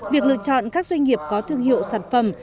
việc lựa chọn các doanh nghiệp có thương hiệu sản phẩm